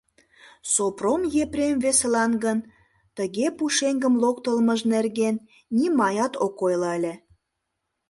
Сопром Епрем весылан гын тыге пушеҥгым локтылмыж нерген нимаят ок ойло ыле.